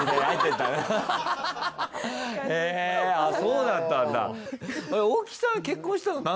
へぇそうだったんだ。